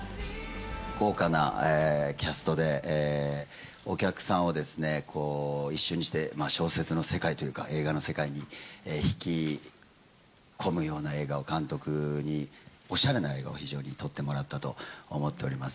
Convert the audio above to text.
豪華なキャストで、お客さんを、一瞬にして小説の世界というか、映画の世界に引き込むような映画を監督に、おしゃれな映画を非常に撮ってもらったと思っております。